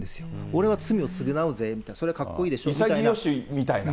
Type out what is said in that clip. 俺は罪を償うぜみたいな、それはかっこいいでしょみたいな。